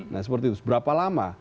nah seperti itu berapa lama